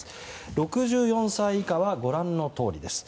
６４歳以下はご覧のとおりです。